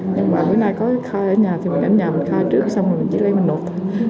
nhưng mà bữa nay có khai ở nhà thì mình ở nhà mình khai trước xong rồi mình chỉ lấy mình nộp